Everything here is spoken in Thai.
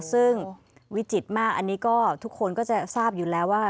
ซึ่งวิจิตรมากอันนี้ก็ทุกคนก็จะทราบอยู่แล้วว่า